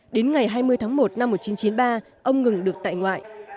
đến ngày hai mươi tháng một năm một nghìn chín trăm chín mươi ba ông ngừng được tại ngoại